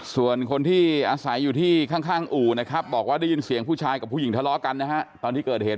ส่วนคนที่อาศัยอยู่ที่ข้างอู่นะครับบอกว่าได้ยินเสียงผู้ชายกับผู้หญิงทะเลาะกันนะฮะตอนที่เกิดเหตุ